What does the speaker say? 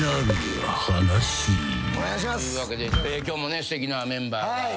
今日もすてきなメンバーが。